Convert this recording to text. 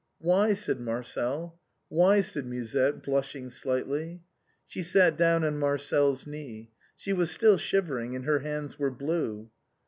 "Why?" said Marcel. "Why?" said Musette, blushing slightly. She sat down on Marcel's knee. She was still shivering, and her hands were blue.